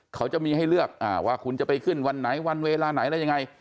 เขาจะมีให้เลือกว่าคุณจะไปขึ้นวันไหนวันเวลาไหนอะไรยังไง